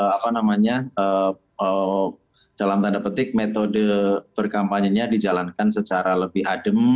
apa namanya dalam tanda petik metode berkampanye nya dijalankan secara lebih adem